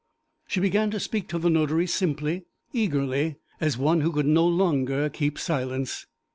She began to speak to the notary simply, eagerly, as one who could no longer keep silence.